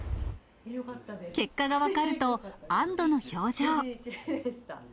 結果が分かると安どの表情。